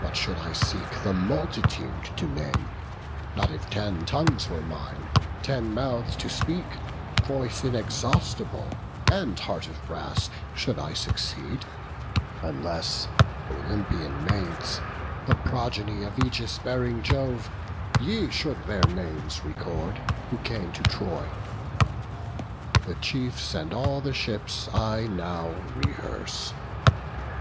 But should I seek the multitude to name, Not if ten tongues were mine, ten mouths to speak, Voice inexhaustible, and heart of brass, Should I succeed, unless, Olympian maids, The progeny of aegis bearing Jove, Ye should their names record, who came to Troy. The chiefs, and all the ships, I now rehearse.